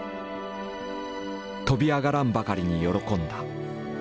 飛び上がらんばかりに喜んだ。